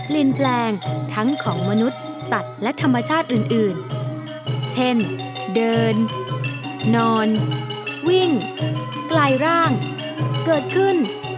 ลินแปลงทั้งของมนุษย์สัตว์และธรรมชาติอื่นเช่นเดินนอนวิ่งไกลร่างเกิดขึ้น